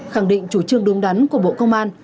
khẳng định chủ trương đúng đắn của bộ công an